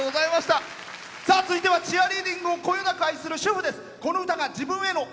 続いてはチアリーディングをこよなく愛する主婦です。